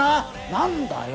何だよ！